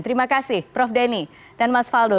terima kasih prof denny dan mas faldo